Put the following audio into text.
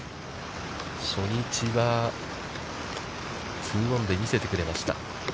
初日は、ツーオンで見せてくれました。